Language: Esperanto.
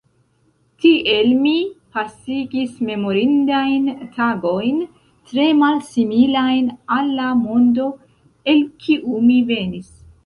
Tiel mi pasigis memorindajn tagojn tre malsimilajn al la mondo, el kiu mi venis.